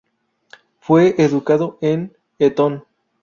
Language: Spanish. Fue educado en Eton.